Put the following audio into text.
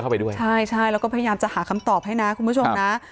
ไปด้วยใช่ใช่แล้วก็พยายามจะหาคำตอบให้นะคุณผู้ชมนะ